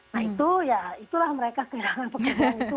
nah itu ya itulah mereka kehilangan pekerjaan itu